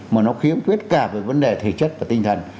mà nó khiếm khuyết cả về vấn đề thể chất và tinh thần